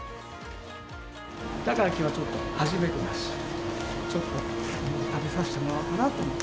きょうはちょっと初めてだし、ちょっと、食べさせてもらおうかなと思って。